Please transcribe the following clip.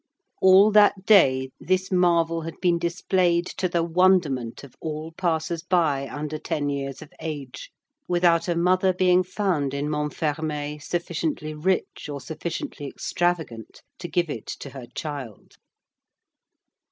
All that day, this marvel had been displayed to the wonderment of all passers by under ten years of age, without a mother being found in Montfermeil sufficiently rich or sufficiently extravagant to give it to her child.